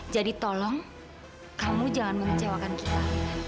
jadi tolong kamu jangan mengecewakan kita